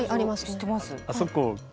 知ってます。